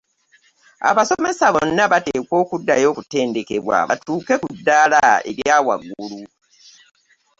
Abasomesa bonna bateekwa okuddayo okutendekebwa batuuke ku ddaala erya waggulu.